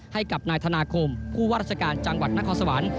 ให้กับนายธนาคมผู้ว่าราชการจังหวัดนครสวรรค์